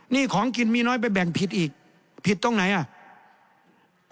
นี่ของกินมีน้อยไปแบ่งผิดอีกผิดตรงไหนอ่ะ